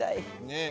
「ねえ？